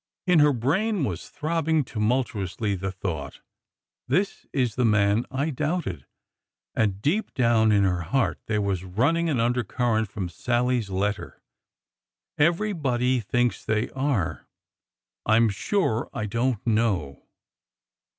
In her brain was throbbing tumultuously the thought :'' This is the man I doubted ! And deep down in her heart Jdiere was running an undercurrent from Sallie's letter :'' Everybody thinks they are ... I 'm sure I don't know."